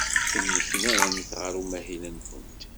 Tenneknamt ɣer umahil-nwent?